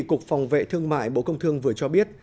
cục phòng vệ thương mại bộ công thương vừa cho biết